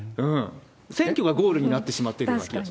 選挙がゴールになってしまってるような気がする。